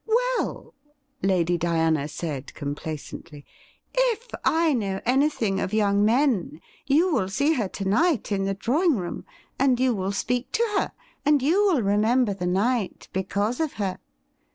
' Well,' Lady Diana said complacently, ' if I know any thing of young men, you will see her to night in the drawing room, and you will speak to her, and you will remember the night because of her.